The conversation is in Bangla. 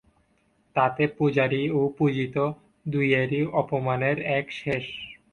তাতে পূজারি ও পূজিত দুইয়েরই অপমানের একশেষ।